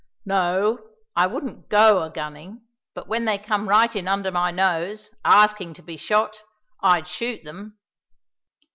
"No, I wouldn't go a gunning; but when they come right in under my nose, asking to be shot, I'd shoot them."